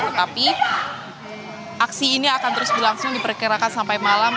tetapi aksi ini akan terus berlangsung diperkirakan sampai malam